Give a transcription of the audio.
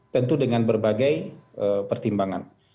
tentu dengan berbagai pertimbangan